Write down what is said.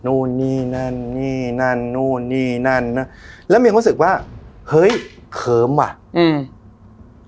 นู่นนี่นั่นนี่นั่นนู่นนี่นั่นนั่นแล้วมีความรู้สึกว่าเฮ้ยเขิมว่ะอืม